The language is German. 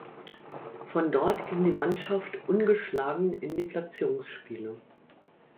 Von dort ging die Mannschaft ungeschlagen in die Platzierungsspiele.